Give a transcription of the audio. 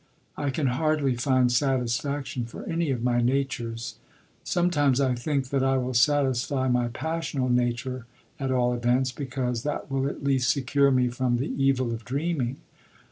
I can hardly find satisfaction for any of my natures. Sometimes I think that I will satisfy my passional nature at all events, because that will at least secure me from the evil of dreaming.